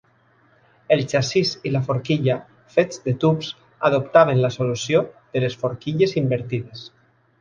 El xassís i la forquilla, fets de tubs, adoptaven la solució de les forquilles invertides.